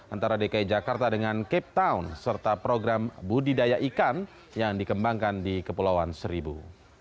antara dki jakarta dengan cape town serta program budidaya ikan yang dikembangkan di kepulauan seribu